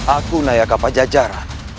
aku nayaka pak jajah